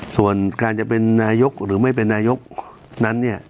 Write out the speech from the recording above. ส่วนการจะเป็นนายกหรือไม่เป็นนายกนั้นเนี่ย